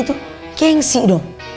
kenceng pun how